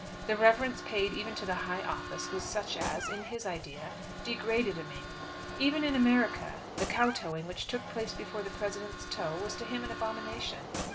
The reverence paid even to the high office was such as, in his idea, degraded a man. Even in America, the Kotooing which took place before the President's toe was to him an abomination.